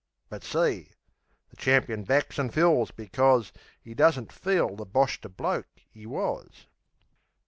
But see! The champeen backs an' fills, becos 'E doesn't feel the Boshter Bloke 'e was.